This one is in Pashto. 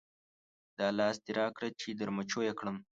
دا لاس دې راکړه چې در مچو یې کړم.